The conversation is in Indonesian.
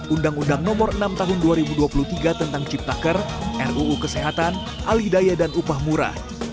undang undang nomor enam tahun dua ribu dua puluh tiga tentang ciptaker ruu kesehatan alih daya dan upah murah